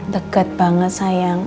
deket banget sayang